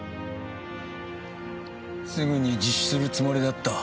すぐに自首するつもりだった。